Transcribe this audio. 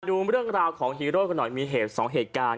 ดูเรื่องราวของฮีโร่กันหน่อยมีเหตุสองเหตุการณ์